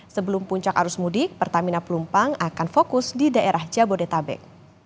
sebelum puncak arus mudik pertamina pelumpang akan fokus di daerah jabodetabek